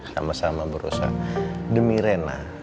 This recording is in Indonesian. sama sama bu rosa demi rena